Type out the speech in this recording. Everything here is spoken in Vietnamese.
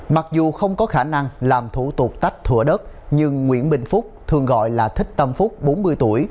mặc dù không có khả năng làm thủ tục tách thủa đất nhưng nguyễn bình phúc thường gọi là thích tâm phúc bốn mươi tuổi